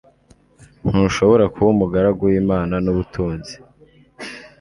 ntushobora kuba umugaragu w imana n ubutunzi